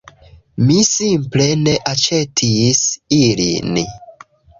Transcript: Mi simple ne aĉetis ilin